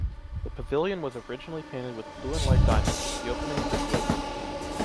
The pavilion was originally painted with blue and white diamonds, the openings were glazed.